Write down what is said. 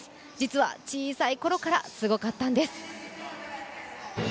実は、小さい頃からすごかったんです。